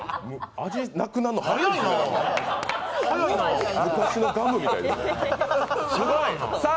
味なくなんの早いなあ。